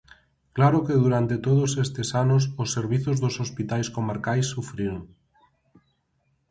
¡Claro que durante todos estes anos os servizos dos hospitais comarcais sufriron!